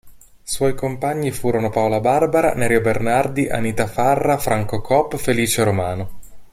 Suoi compagni furono Paola Barbara, Nerio Bernardi, Anita Farra, Franco Coop, Felice Romano.